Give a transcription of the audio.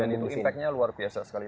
dan itu impact nya luar biasa sekali